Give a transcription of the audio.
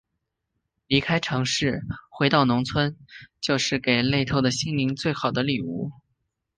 离开城市，回到农村，就是给累透的心灵最好的礼物。